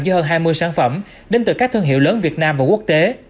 với hơn hai mươi sản phẩm đến từ các thương hiệu lớn việt nam và quốc tế